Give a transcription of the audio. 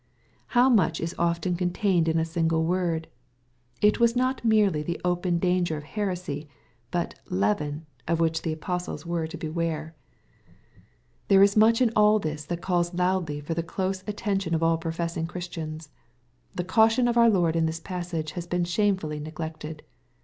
How much is often contained in a single word ! It was not merely the open danger of heresy, but " leaven," of which the apostles were to beware. MATTHEW, CHAP. XVI. 191 There is much in all this that calls loudly for the close attention of all professing Christians. The caution of our Lord in this passage has been shamefully neglected.